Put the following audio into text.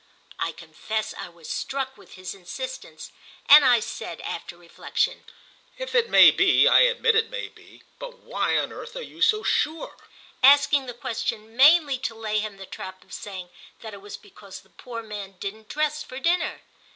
I confess I was struck with his insistence, and I said, after reflexion: "It may be—I admit it may be; but why on earth are you so sure?"—asking the question mainly to lay him the trap of saying that it was because the poor man didn't dress for dinner.